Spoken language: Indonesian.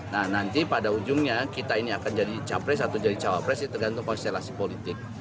nah nanti pada ujungnya kita ini akan jadi capres atau jadi cawapres itu tergantung konstelasi politik